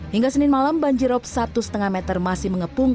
hingga senin malam banjirop satu lima meter masih mengepung